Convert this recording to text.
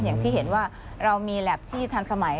อย่างที่เห็นว่าเรามีแล็บที่ทันสมัย